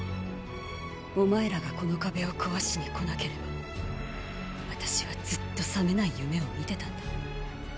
お前らがこの壁を壊しに来なければ私はずっと覚めない夢を見てたんだ。